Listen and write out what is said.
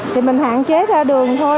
thì mình hạn chế ra đường thôi